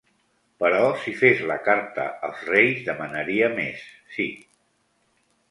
Però si fes la carta als reis, demanaria més, sí.